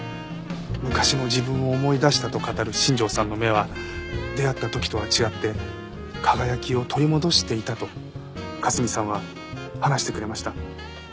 昔の自分を思い出したと語る新庄さんの目は出会った時とは違って輝きを取り戻していたと香澄さんは話してくれました。